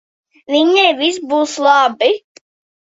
Viņai viss būs labi.